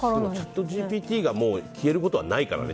チャットＧＰＴが消えることはないからね。